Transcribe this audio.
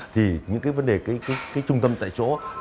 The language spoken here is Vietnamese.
thì những vấn đề trung tâm tại chỗ này